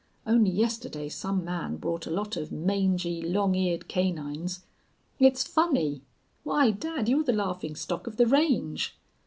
Only yesterday some man brought a lot of mangy, long eared canines. It's funny. Why, dad, you're the laughing stock of the range!'